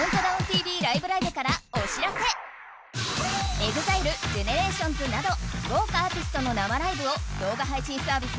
ＥＸＩＬＥ、ＧＥＮＥＲＡＴＩＯＮＳなど豪華アーティストの生ライブを動画配信サービス